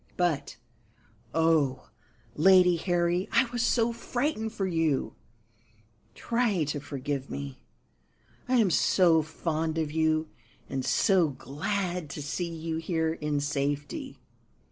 But, oh, Lady Harry, I was so frightened for you! Try to forgive me; I am so fond of you, and so glad to see you here in safety.